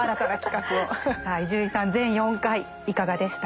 さあ伊集院さん全４回いかがでしたか。